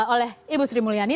oleh ibu sri muliani